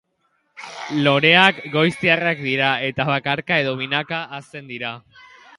Loreak goiztiarrak dira eta bakarka edo binaka hazten dira.